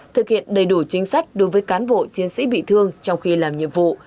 thực hiện đầy đủ chính sách đối với cán bộ chiến sĩ bị thương trong khi làm nhiệm vụ